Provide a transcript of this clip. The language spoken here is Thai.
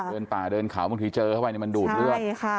เดินป่าเดินเขาบางทีเจอเข้าไปมันดูดเลือด